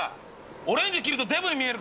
⁉オレンジ着るとデブに見える。